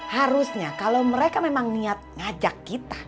harusnya kalau mereka memang niat ngajak kita